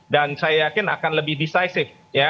dan saya yakin akan lebih decisive ya